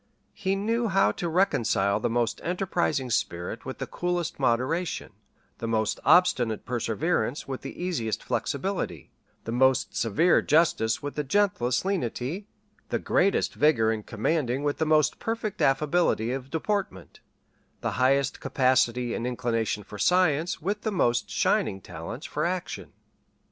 He knew how to reconcile the most enterprising spirit with the coolest moderation; the most obstinate perseverance with the easiest flexibility: the most severe justice with the gentlest lenity; the greatest vigor in commanding with the most perfect affability of deportment;[*] the highest capacity and inclination for science with the most shining talents for action.